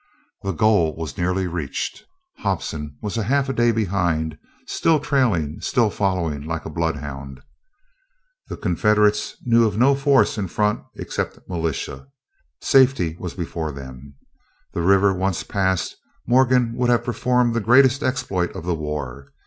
The goal was nearly reached. Hobson was half a day behind, still trailing, still following like a bloodhound. The Confederates knew of no force in front except militia. Safety was before them. The river once passed, Morgan would have performed the greatest exploit of the war.